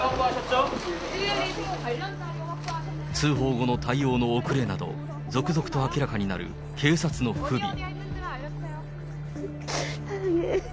通報後の対応の遅れなど、続々と明らかになる警察の不備。